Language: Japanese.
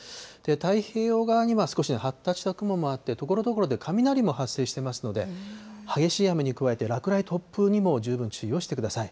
太平洋側には少し発達した雲もあって、ところどころで雷も発生してますので、激しい雨に加えて落雷、突風にも十分注意をしてください。